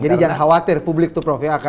jadi jangan khawatir publik tuh prof ya akan